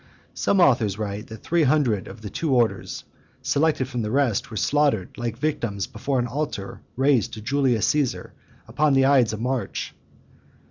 Some authors write, that three hundred of the two orders, selected from the rest, were slaughtered, like victims, before an altar raised to Julius Caesar, upon the ides of March [15th April] .